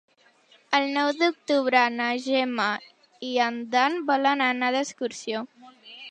El nou d'octubre na Gemma i en Dan volen anar d'excursió.